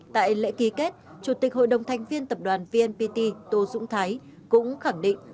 tại lễ ký kết chủ tịch hội đồng thành viên tập đoàn vnpt tô dũng thái cũng khẳng định